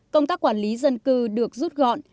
công tác quản lý dân cư được rút gọn